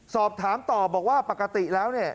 สอบถามต่อบอกว่าปกติแล้วเนี่ย